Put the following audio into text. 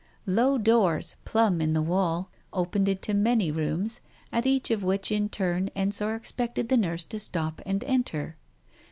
Low doors, plumb in the wall, opened into many rooms, at each of which in turn Ensor expected the nurse to stop and enter.